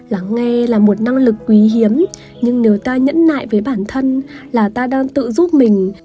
lắng nghe là một năng lực quý hiếm nhưng nếu ta nhẫn nại với bản thân là ta đang tự giúp mình